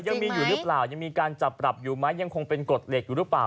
ยังมีอยู่หรือเปล่ายังมีการจับปรับอยู่ไหมยังคงเป็นกฎเหล็กอยู่หรือเปล่า